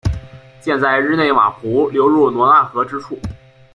建在日内瓦湖流入罗讷河之处。